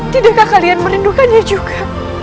tidakkah kalian merindukannya juga